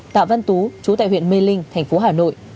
tạ văn tú chú tại huyện mê linh thành phố hà nội